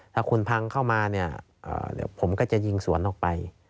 ถ้าคุณพังเข้ามาเนี่ยเดี๋ยวผมก็จะยิงสวนออกไป